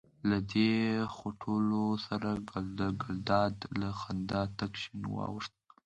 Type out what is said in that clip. له دې خوټولو سره ګلداد له خندا تک شین واوښت.